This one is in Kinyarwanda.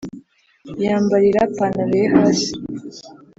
Yambarira panaro ye hasi